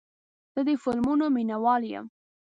زه د فلمونو مینهوال یم.